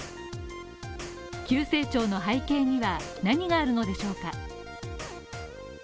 急成長の背景には何があるのでしょうか？